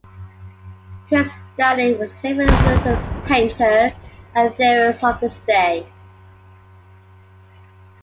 Kent studied with several influential painters and theorists of his day.